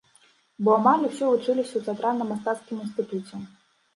Бо амаль усе вучыліся ў тэатральна-мастацкім інстытуце.